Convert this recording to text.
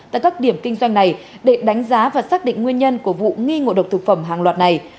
tại các điểm kinh doanh này để đánh giá và xác định nguyên nhân của vụ nghi ngộ độc thực phẩm hàng loạt này